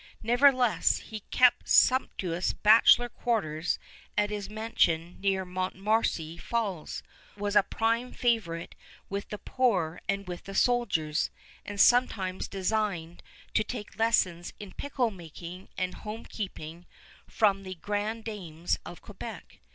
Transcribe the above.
Nevertheless, he kept sumptuous bachelor quarters at his mansion near Montmorency Falls, was a prime favorite with the poor and with the soldiers, and sometimes deigned to take lessons in pickle making and home keeping from the grand dames of Quebec.